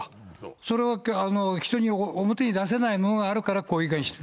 それは人に、表に出せないものがあるから、こういうふうにしてる。